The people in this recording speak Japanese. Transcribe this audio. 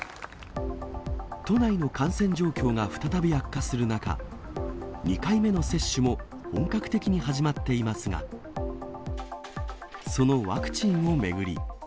都内の感染状況が再び悪化する中、２回目の接種も本格的に始まっていますが、そのワクチンを巡り。